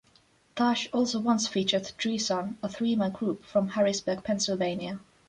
Taj also once featured Tre-Son', a three-man group from Harrisburg, Pennsylvania.